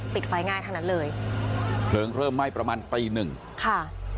ติดไฟง่ายทั้งนั้นเลยเพลิงเริ่มไหม้ประมาณตีหนึ่งค่ะ